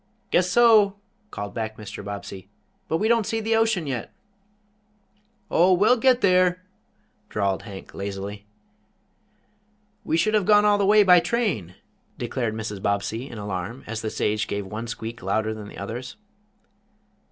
"Guess so," called back Mr. Bobbsey, "but we don't see the ocean yet." "Oh, we'll get there," drawled Hank, lazily. "We should have gone all the way by train," declared Mrs. Bobbsey, in alarm, as the stage gave one squeak louder than the others.